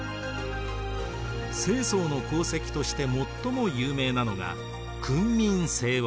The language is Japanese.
世宗の功績として最も有名なのが「訓民正音」。